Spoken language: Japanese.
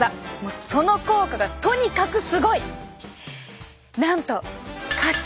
その効果がとにかくすごい！